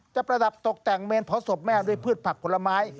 ประดับตกแต่งเมนเผาศพแม่ด้วยพืชผักผลไม้